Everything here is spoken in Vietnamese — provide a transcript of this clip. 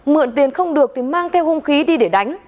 mượn tiền không được thì mang theo hung khí đi để đánh